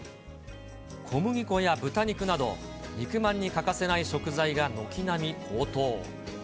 小麦粉や豚肉など、肉まんに欠かせない食材が軒並み高騰。